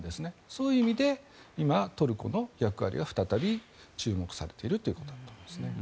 そういう意味で今、トルコの役割が再び注目されているということです。